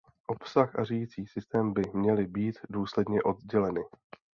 Obsah a řídící systém by měly být důsledně odděleny.